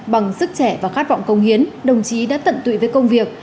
bằng sức trẻ và khát vọng công hiến đồng chí đã tận tụy với công việc